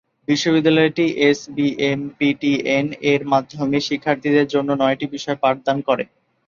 বিশ্ববিদ্যালয়টি "এসবিএমপিটিএন"-এর মাধ্যমে শিক্ষার্থীদের জন্য নয়টি বিষয়ে পাঠদান করে।